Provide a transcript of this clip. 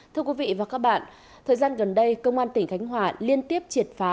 thưa quý vị và các bạn thời gian gần đây công an tỉnh khánh hòa liên tiếp triệt phá